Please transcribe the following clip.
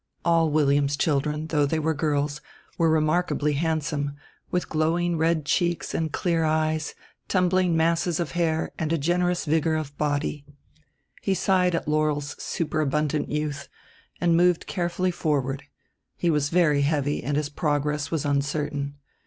All William's children, though they were girls, were remarkably handsome, with glowing red cheeks and clear eyes, tumbling masses of hair and a generous vigor of body. He sighed at Laurel's superabundant youth, and moved carefully forward; he was very heavy, and his progress was uncertain.